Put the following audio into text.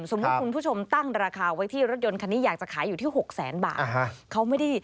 คุณผู้ชมตั้งราคาไว้ที่รถยนต์คันนี้อยากจะขายอยู่ที่๖แสนบาท